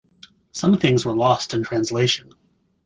Some things were lost in translation.